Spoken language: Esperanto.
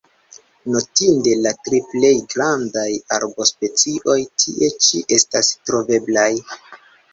Notinde, la tri plej grandaj arbospecioj tie ĉi estas troveblaj.